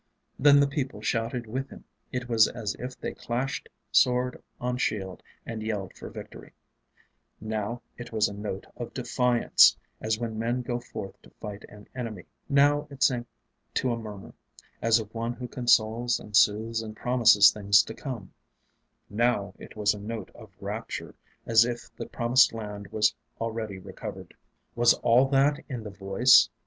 Then the people shouted with him it was as if they clashed sword on shield and yelled for victory; now it was a note of defiance, as when men go forth to fight an enemy; now it sank to a murmur, as of one who consoles and soothes and promises things to come; now it was a note of rapture, as if the Promised Land was already recovered. Was all that in the Voice?